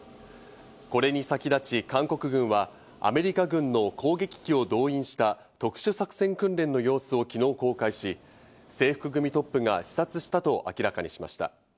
これに先立ち、韓国軍はアメリカ軍の攻撃機を動員した特殊作戦訓練の様子を昨日公開し、制服組トップが視察したと明らかにしました。